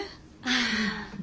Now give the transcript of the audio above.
ああ。